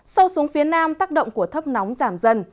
sâu xuống phía nam tác động của thấp nóng giảm dần